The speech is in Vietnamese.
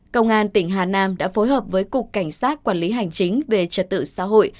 công an tỉnh hà nam đã phối hợp với cục cảnh sát quản lý hành chính về trật tự xã hội